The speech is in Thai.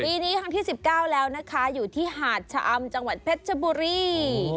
ปีนี้ครั้งที่๑๙แล้วนะคะอยู่ที่หาดชะอำจังหวัดเพชรชบุรี